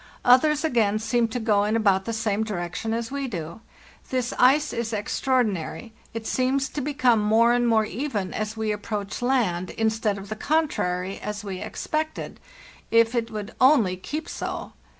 Others, again, seem to go in about the same direction as we do. 'This ice is extraor dinary; it seems to become more and more even as we approach land, instead of the contrary, as we expected. If it would only keep so!